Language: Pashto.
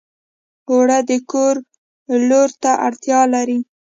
اوړه د کور لور ته اړتیا لري